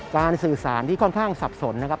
สื่อสารที่ค่อนข้างสับสนนะครับ